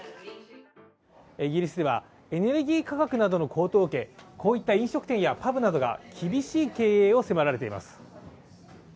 イギリスではエネルギー価格などの高騰を受け、こういった飲食店やパブなどが厳しい経営を迫られています。